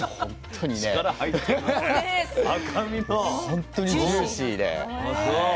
ほんとにジューシーで。